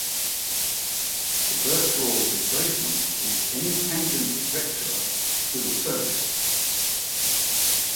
The virtual displacement is any tangent vector to the surface.